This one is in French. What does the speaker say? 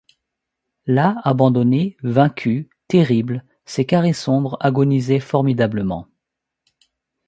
Là, abandonnés, vaincus, terribles, ces carrés sombres agonisaient formidablement.